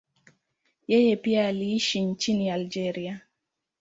Yeye pia aliishi nchini Algeria.